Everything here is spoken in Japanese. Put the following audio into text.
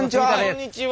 こんにちは。